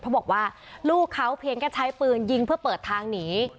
เขาบอกว่าลูกเขาเพียงแค่ใช้ปืนยิงเพื่อเปิดทางหนี